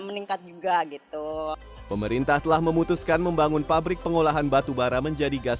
tingkat juga gitu pemerintah telah memutuskan membangun pabrik pengolahan batubara menjadi gas